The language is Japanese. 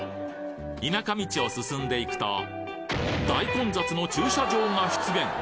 田舎道を進んでいくと大混雑の駐車場が出現